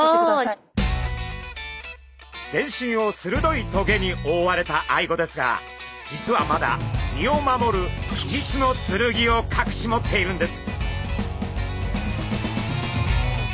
全身をするどい棘におおわれたアイゴですが実はまだ身を守る秘密の剣をかくし持っているんです。